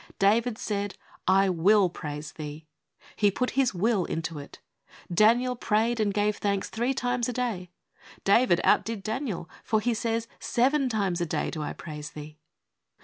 David said, " I will praise Thee." He put his will into it. Daniel "prayed and gave thanks" three times a day. David outdid Daniel, for he says, " Seven times a day do I praise Thee."